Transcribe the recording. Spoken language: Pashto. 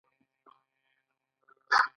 په انګلستان کې هم په څوارلسمه پیړۍ کې پاڅون وشو.